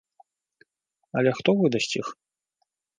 Але хто выдасць іх?